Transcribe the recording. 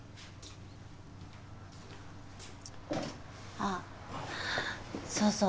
あっそうそう。